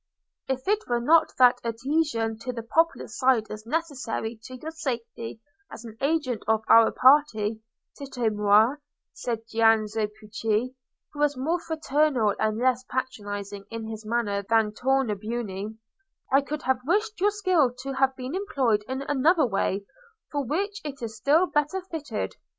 "If it were not that an adhesion to the popular side is necessary to your safety as an agent of our party, Tito mio," said Giannozzo Pucci, who was more fraternal and less patronising in his manner than Tornabuoni, "I could have wished your skill to have been employed in another way, for which it is still better fitted.